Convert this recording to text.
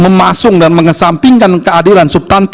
memasung dan mengesampingkan keadilan subtansi